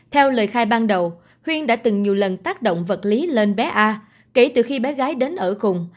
theo lời khai ban đầu huyên đã từng nhiều lần tác động vật lý lên bé a kể từ khi bé gái đến ở cùng